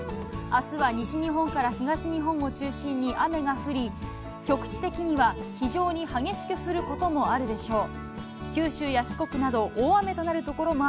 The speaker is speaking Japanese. あすは西日本から東日本を中心に雨が降り、局地的には非常に激しく降ることもあるでしょう。